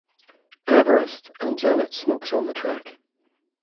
Everest, and Janet smokes on the trek.